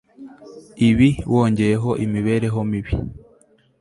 ibi, wongeyeho imibereho mibi